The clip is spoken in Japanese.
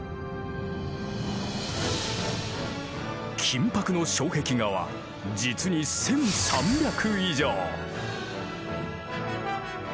金箔の障壁画は実に１，３００以上。